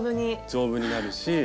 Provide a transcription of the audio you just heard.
丈夫になるし。